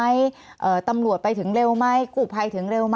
มีความรู้สึกว่ามีความรู้สึกว่า